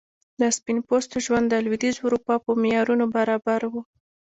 د سپین پوستو ژوند د لوېدیځي اروپا په معیارونو برابر و.